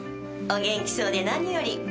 お元気そうで何より。